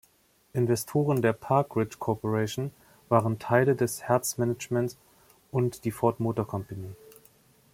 Investoren der Park Ridge Corporation waren Teile des Hertz-Managements und die Ford Motor Company.